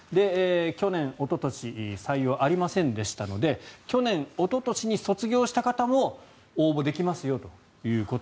去年、おととしは採用がありませんでしたので去年おととしに卒業した方も応募できますよと。